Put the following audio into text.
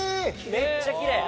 めっちゃきれい。